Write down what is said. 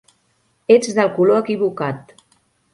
Ets del color equivocat.